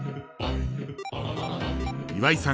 岩井さん